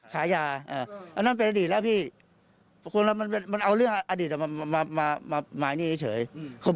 ค้ายาเอออันนั้นเป็นอดีตแล้วพี่มันเอาเรื่องอดีตมามามามามานี่เฉยเฉย